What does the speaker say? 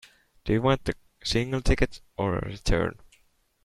Do you want a single ticket, or a return?